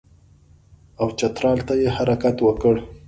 او چترال ته یې حرکت وکړ.